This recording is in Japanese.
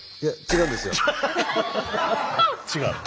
違う？